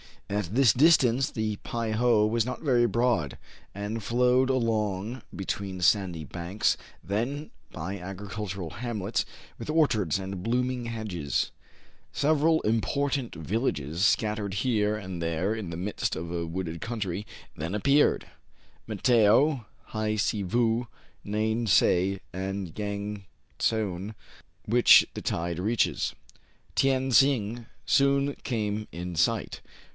At this distance the Pei ho was not very broad, and flowed along between sandy banks, then by agricultural hamlets, with orchards and blooming hedges. Several important villages, scattered here and there in the midst of a wooded country, then appeared, — Matao, He Si Vou, Nane Tsaë, and Yang Tsoune, which the tide reaches. Tien Sing soon came in sight.